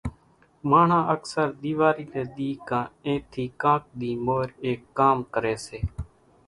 ماڻۿان اڪثر ۮيواري ني ۮي ڪان اين ٿي ڪانڪ ۮي مور ايڪ ڪام ڪري سي،